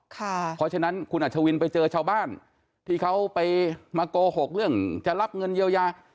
เพราะฉะนั้นคุณอัชวินไปเจอชาวบ้านที่เขาไปมาโกหกเรื่องจะรับเงินเยียวยา